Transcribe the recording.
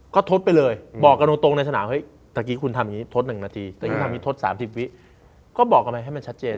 ก็ทดไปเลยบอกกันตรงในสนามเฮ้ยตะกี้คุณทำอย่างนี้ทด๑นาทีแต่ยิ่งทำนี้ทด๓๐วิก็บอกกันไปให้มันชัดเจน